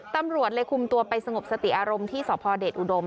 ตำรวจเลยคุมตัวไปสงบสติอารมณ์ที่สพเดชอุดม